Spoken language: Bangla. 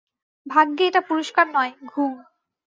ভাগ্যে এটা পুরস্কার নয়, ঘুম।